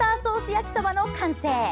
焼きそばの完成。